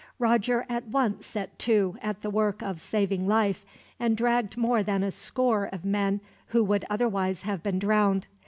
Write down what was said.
Roger at once set to, at the work of saving life, and dragged more than a score of men who would otherwise have been drowned.